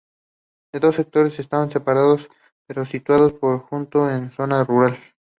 Los dos sectores están separados, pero situado muy juntos en una zona rural.